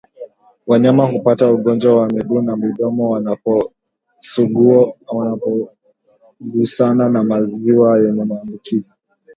Wanyama hupata ugonjwa wa miguu na midomo wanapogusana na maziwa yenye maambukizi